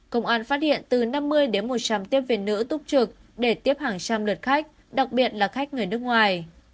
công an phát hiện từ năm mươi đến một trăm linh tiếp viên nữ túc trực để tiếp hàng trăm lượt khách đặc biệt là khách người nước ngoài